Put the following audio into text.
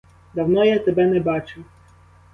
Давно я тебе не бачив!